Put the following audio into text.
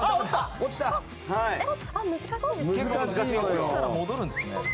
落ちたら戻るんですね。